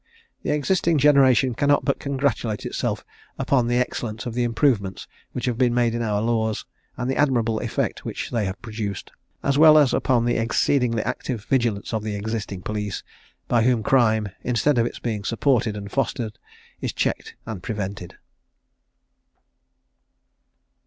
The existing generation cannot but congratulate itself upon the excellence of the improvements which have been made in our laws, and the admirable effect which they have produced; as well as upon the exceedingly active vigilance of the existing police, by whom crime, instead of its being supported and fostered, is checked and prevented.